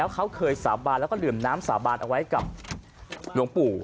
เขาเคยสาบานแล้วก็ดื่มน้ำสาบานเอาไว้กับหลวงปู่